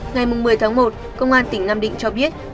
ngày một mươi tháng một công an tỉnh nam định cho biết